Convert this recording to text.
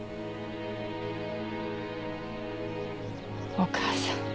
お義母さん。